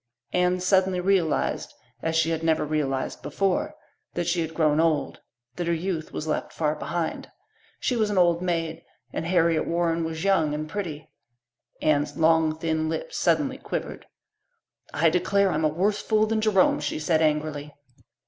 Anne suddenly realized, as she had never realized before, that she had grown old that her youth was left far behind. She was an old maid, and Harriet Warren was young, and pretty. Anne's long, thin lips suddenly quivered. "I declare, I'm a worse fool than Jerome," she said angrily.